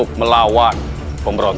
pajajaran harus berhubung